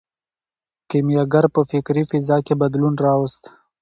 کیمیاګر په فکري فضا کې بدلون راوست.